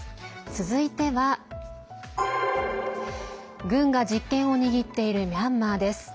続いては軍が実権を握っているミャンマーです。